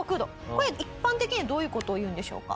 これ一般的にはどういう事をいうんでしょうか？